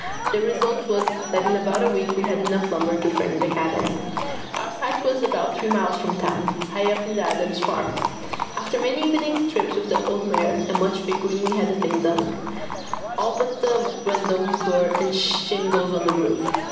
The result was that in about a week we had enough lumber to frame the cabin. Our site was about three miles from town, high up on the Adams Farm. After many evening trips with the old mare and much figuring we had the thing done, all but the windows, door, and shingles on the roof.